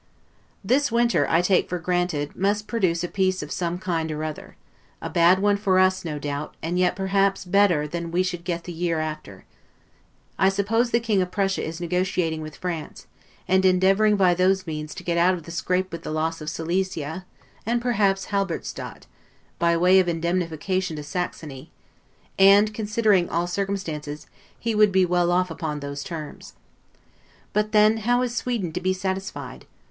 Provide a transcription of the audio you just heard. This winter, I take for granted, must produce a piece of some kind or another; a bad one for us, no doubt, and yet perhaps better than we should get the year after. I suppose the King of Prussia is negotiating with France, and endeavoring by those means to get out of the scrape with the loss only of Silesia, and perhaps Halberstadt, by way of indemnification to Saxony; and, considering all circumstances, he would be well off upon those terms. But then how is Sweden to be satisfied?